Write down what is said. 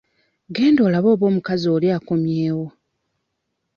Genda olabe oba omukazi oli akomyewo.